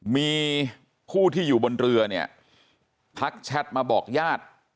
มีผู้ที่อยู่บนเรือเนี่ยทักแชทมาบอกญาติ